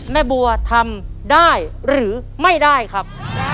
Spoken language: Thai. แม่บัวทำได้หรือไม่ได้ครับ